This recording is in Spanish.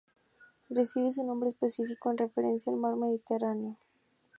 Recibe su nombre específico en referencia al mar Mediterráneo.